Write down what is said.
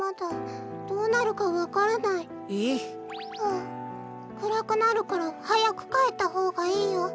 あくらくなるからはやくかえったほうがいいよ。